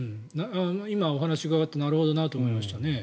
今、お話を伺ってなるほどなと思いましたね。